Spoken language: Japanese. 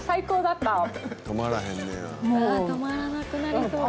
「ああ止まらなくなりそう」